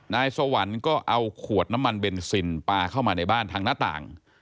นายสวรรค์ก็เอาขวดน้ำมันเบนซินปลาเข้ามาในบ้านทางหน้าต่าง